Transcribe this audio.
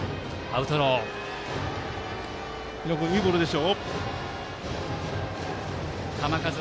日野君、いいボールです。